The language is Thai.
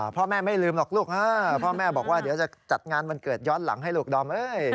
พ่อแม่ไม่ลืมหรอกลูกพ่อแม่บอกว่าเดี๋ยวจะจัดงานวันเกิดย้อนหลังให้ลูกดอม